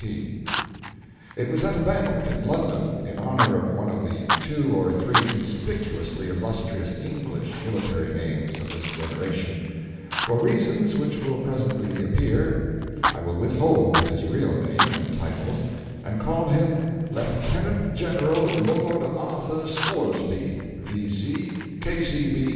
T.) It was at a banquet in London in honour of one of the two or three conspicuously illustrious English military names of this generation. For reasons which will presently appear, I will withhold his real name and titles, and call him Lieutenant General Lord Arthur Scoresby, V.